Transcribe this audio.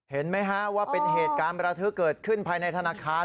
เห็นไหมฮะว่าเป็นเหตุการณ์ประทึกเกิดขึ้นภายในธนาคาร